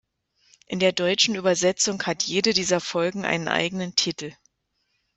In der deutschen Übersetzung hat jede dieser Folgen einen eigenen Titel.